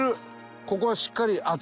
ここはしっかり厚い氷だ。